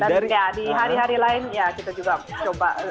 dan ya di hari hari lain ya kita juga coba